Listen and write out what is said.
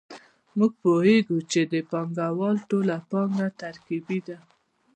موږ پوهېږو چې د پانګوال ټوله پانګه ترکیبي ده